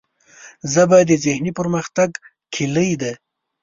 ژبه د ذهني پرمختګ کلۍ ده